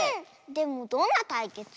でもどんなたいけつ？